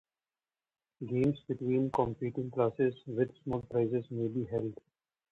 Games between competing classes with small prizes may be held.